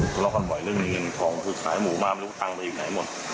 สล๊อกกันบ่อยเรื่องเงินของผู้สายหมู่มาลูกตั้งไปอีกไหนหมด